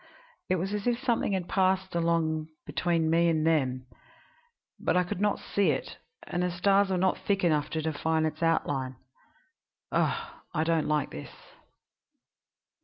It was as if something had passed along between me and them; but I could not see it, and the stars were not thick enough to define its outline. Ugh! I don't like this.